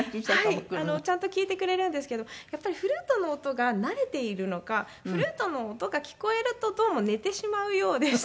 ちゃんと聴いてくれるんですけどやっぱりフルートの音が慣れているのかフルートの音が聴こえるとどうも寝てしまうようでして。